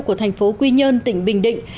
của thành phố quy nhơn tỉnh bình định